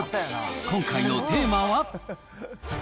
今回のテーマは。